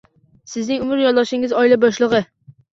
Sizning umr yo‘ldoshingiz – oila boshlig‘i.